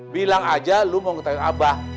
bilang aja lo mau ngetain abah